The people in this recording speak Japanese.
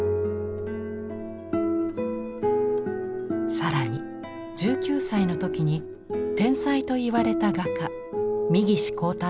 更に１９歳の時に天才といわれた画家三岸好太郎と結婚。